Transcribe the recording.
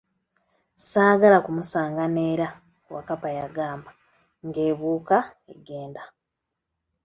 Saagala kumusaanga n'era, Wakkapa yagamba, ng'ebuuka egenda.